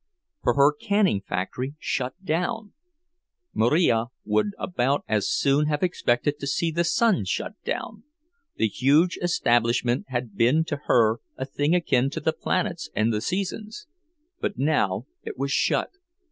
For her canning factory shut down! Marija would about as soon have expected to see the sun shut down—the huge establishment had been to her a thing akin to the planets and the seasons. But now it was shut!